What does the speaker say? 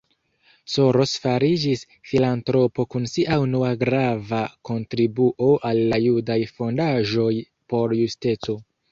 Soros fariĝis filantropo kun sia unua grava kontribuo al la Judaj Fondaĵoj por Justeco.